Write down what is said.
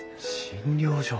診療所。